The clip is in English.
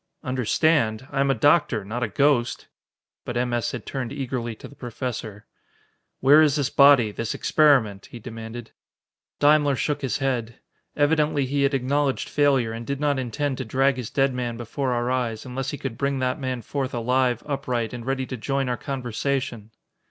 "Understand? I am a doctor not a ghost!" But M. S. had turned eagerly to the Professor. "Where is this body this experiment?" he demanded. Daimler shook his head. Evidently he had acknowledged failure and did not intend to drag his dead man before our eyes, unless he could bring that man forth alive, upright, and ready to join our conversation!